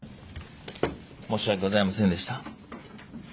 申し訳ございませんでした。